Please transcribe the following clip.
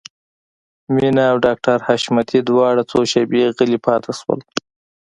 مينه او ډاکټر حشمتي دواړه څو شېبې غلي پاتې شول.